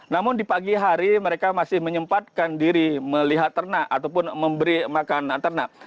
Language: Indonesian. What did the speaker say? namun di pagi hari mereka masih menyempatkan diri melihat ternak ataupun memberi makan ternak